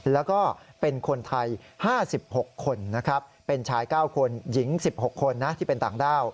แล้วก็เป็นคนไทย๕๖คนนะครับเป็นชาย๙คนหญิง๑๖คนนะที่เป็นต่างด้าว